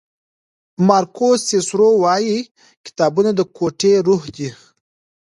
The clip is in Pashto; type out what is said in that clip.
مارکوس سیسرو وایي کتابونه د کوټې روح دی.